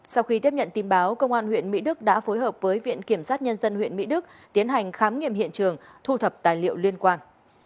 sau khi tiếp nhận tin báo công an huyện mỹ đức đã phối hợp với viện kiểm sát nhân dân huyện mỹ đức tiến hành khám nghiệm hiện trường thu thập tài liệu liên quan